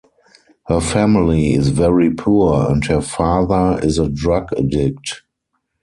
Her family is very poor, and her father is a drug addict.